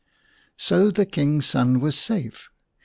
So the King's son was safe.